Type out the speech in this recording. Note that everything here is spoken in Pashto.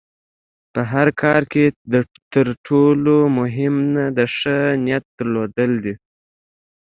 په هر کار کې د تر ټولو مهم د ښۀ نیت درلودل دي.